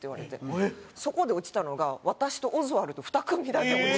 そこで落ちたのが私とオズワルド２組だけ落ちたんですよ。